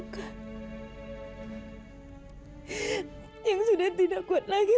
yang sudah tidak kuat lagi